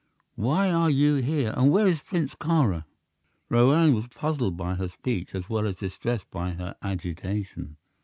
Why are you here, and where is Prince Kāra?" Roane was puzzled by her speech, as well as distressed by her agitation.